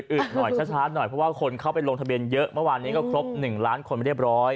หน่อยช้าหน่อยเพราะว่าคนเข้าไปลงทะเบียนเยอะเมื่อวานนี้ก็ครบ๑ล้านคนเรียบร้อย